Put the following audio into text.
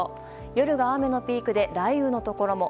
夜が雨のピークで雷雨のところも。